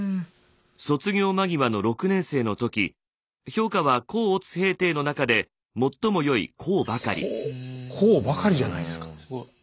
卒業間際の６年生の時評価は甲乙丙丁の中で最も良い「甲」ばかりじゃないですか。